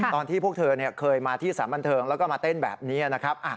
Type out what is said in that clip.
ตอนที่พวกเธอเคยมาที่สารบันเทิงแล้วก็มาเต้นแบบนี้นะครับ